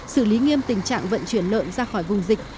xử lý nghiêm tình trạng vận chuyển lợn ra khỏi vùng dịch